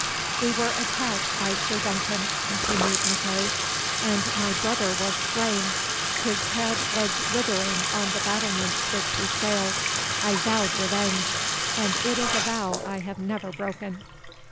"We were attacked by Sir Duncan," continued MacEagh, "and my brother was slain his head was withering on the battlements which we scaled I vowed revenge, and it is a vow I have never broken."